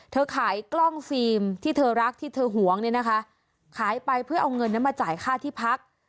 ขายกล้องฟิล์มที่เธอรักที่เธอหวงเนี่ยนะคะขายไปเพื่อเอาเงินนั้นมาจ่ายค่าที่พัก